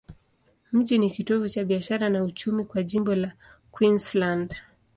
Mji ni kitovu cha biashara na uchumi kwa jimbo la Queensland.